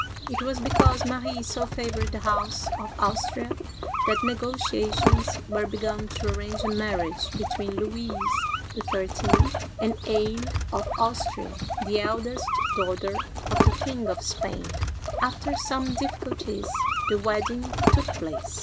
It was because Marie so favored the House of Austria that negotiations were begun to arrange a marriage be tween Louis XIII. and Anne of Austria, the eldest daugh ter of the King of Spain. After some difficulties, the wedding took place.